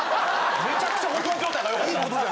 めちゃくちゃ保存状態が良かった。